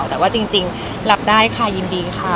แต่ว่าจริงรับได้ค่ะยินดีค่ะ